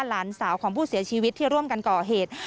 หลานสาวของผู้เสียชีวิตที่ร่วมกันก่อเหตุ